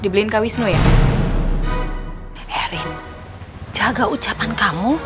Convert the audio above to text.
erin jaga ucapan kamu